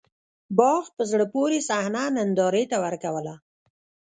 باغ په زړه پورې صحنه نندارې ته ورکوّله.